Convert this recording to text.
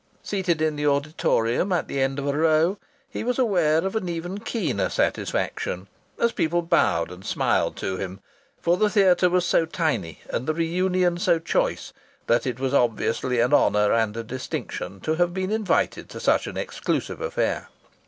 Seated in the auditorium, at the end of a row, he was aware of an even keener satisfaction, as people bowed and smiled to him; for the theatre was so tiny and the reunion so choice that it was obviously an honour and a distinction to have been invited to such an exclusive affair.